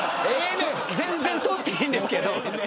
撮っていいんですけど。